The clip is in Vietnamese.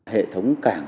hệ thống càng